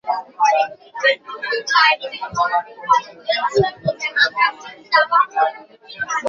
প্রতিটি জেলা আরও কাউন্টি এবং পৌরসভায় বিভক্ত, এবং প্রতিটি কাউন্টি আরও উপ-কাউন্টিতে বিভক্ত।